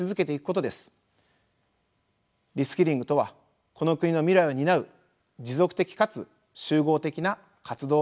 リスキリングとはこの国の未来を担う持続的かつ集合的な活動なのです。